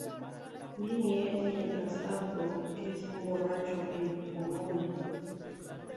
Vinnie, mientras tanto, es un borracho en Pomona.